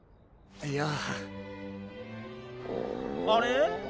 いや。あれ？